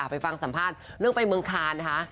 ไปฟังสัมภาษณ์เรื่องไปเมืองคานนะคะ